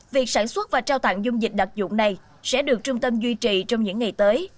việc sản xuất và trao tặng dung dịch đặc dụng này sẽ được trung tâm duy trì trong những ngày tới